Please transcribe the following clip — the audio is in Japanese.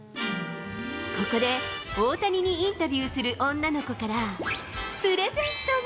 ここで大谷にインタビューする女の子から、プレゼントが。